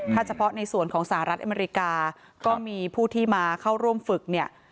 ถ้าเฉพาะในส่วนของสหรัฐอเมริกาก็มีผู้ที่มาเข้าร่วมฝึกเนี่ย